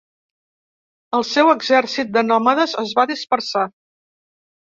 El seu exèrcit de nòmades es va dispersar.